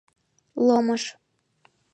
Ломыж